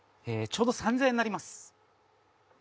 ちょうど３０００円になります